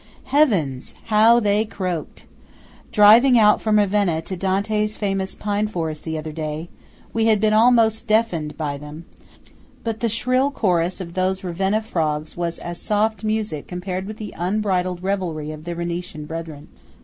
Heavens! how they croaked! Driving out from Ravenna to Dante's famous pine forest the other day, we had been almost deafened by them; but the shrill chorus of those Ravenna frogs was as soft music compared with the unbridled revelry of their Venetian brethren.